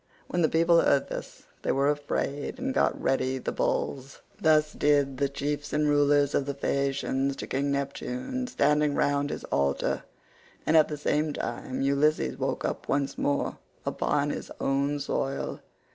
When the people heard this they were afraid and got ready the bulls. Thus did the chiefs and rulers of the Phaeacians pray to king Neptune, standing round his altar; and at the same time118 Ulysses woke up once more upon his own soil.